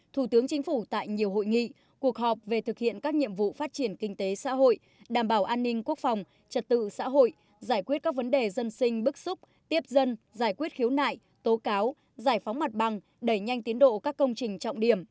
thủ tướng chính phủ tại nhiều hội nghị cuộc họp về thực hiện các nhiệm vụ phát triển kinh tế xã hội đảm bảo an ninh quốc phòng trật tự xã hội giải quyết các vấn đề dân sinh bức xúc tiếp dân giải quyết khiếu nại tố cáo giải phóng mặt bằng đẩy nhanh tiến độ các công trình trọng điểm